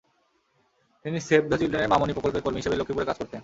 তিনি save the চিলড্রেনের মা-মণি প্রকল্পের কর্মী হিসেবে লক্ষ্মীপুরে কাজ করতেন।